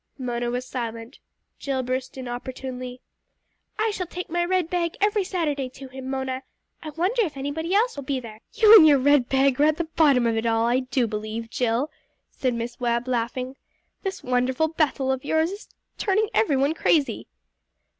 Mona was silent. Jill burst in opportunely "I shall take my red bag every Saturday to him, Mona. I wonder if anybody else will be there." "You and your red bag are at the bottom of it all I do believe, Jill!" said Miss Webb laughing. "This wonderful Bethel of yours is turning every one crazy!"